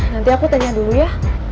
nanti aku tanya dulu ya